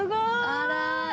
あら。